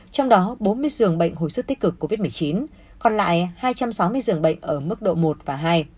trong đó bốn mươi giường bệnh hồi sức tích cực covid một mươi chín còn lại hai trăm sáu mươi giường bệnh ở mức độ một và hai